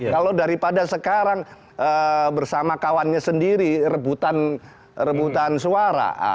kalau daripada sekarang bersama kawannya sendiri rebutan suara